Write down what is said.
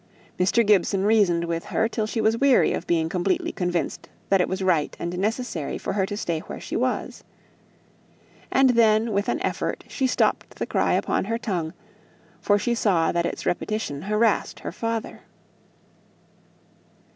Mr. Gibson reasoned with her till she was weary of being completely convinced that it was right and necessary for her to stay where she was. And then with an effort she stopped the cry upon her tongue, for she saw that its repetition harassed her father.